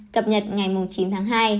cập nhật ngày chín tháng hai